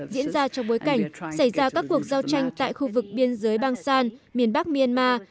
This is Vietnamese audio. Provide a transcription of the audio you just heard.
diễn ra trong bối cảnh xảy ra các cuộc giao tranh tại khu vực biên giới bangsan miền bắc myanmar